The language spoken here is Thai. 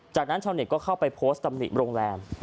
จากนั้นชาวเน็ตก็เข้าไปโพสต์ตำหนิโรงแรม